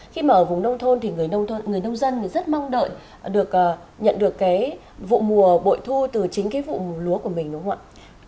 khi mà ở vùng nông thôn thì người nông dân rất mong đợi được nhận được vụ mùa bội thu từ chính vụ lúa của mình đúng không ạ